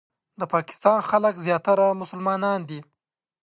د پاکستان خلک زیاتره مسلمانان دي.